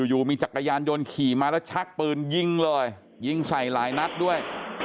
อยู่มีจักรยานยนต์ขี่มาแล้วชักปืนยิงเลยยิงใส่หลายนัดด้วย